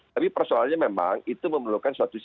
tapi persoalannya memang itu memerlukan suatu sistem